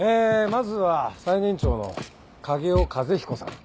まずは最年長の影尾風彦さん。